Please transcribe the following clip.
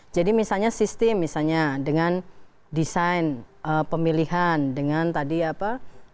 jadi misalnya sistem misalnya dengan desain pemilihan dengan tadi apa